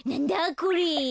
これ。